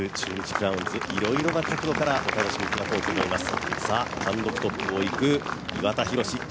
クラウンズいろいろな角度からお楽しみいただこうと思います。